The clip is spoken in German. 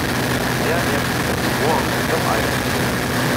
Er ernährt sich omnivor und nimmt auch Algen zu sich.